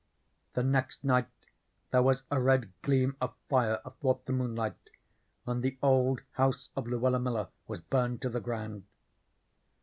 The next night there was a red gleam of fire athwart the moonlight and the old house of Luella Miller was burned to the ground.